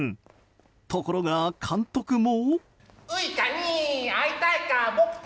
ところが、監督も。